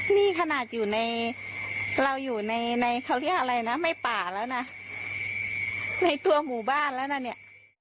นี่ขนาดอยู่ในเราอยู่ในในเขาเรียกอะไรนะไม่ป่าแล้วนะในตัวหมู่บ้านแล้วนะเนี่ย